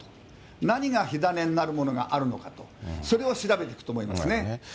何が火種になるものがあるのかと、それを調べていくと思いますね。